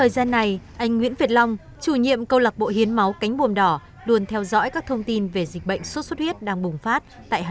các bạn hãy đăng ký kênh để ủng hộ kênh của chúng mình nhé